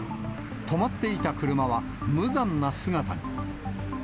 止まっていた車は無残な姿に。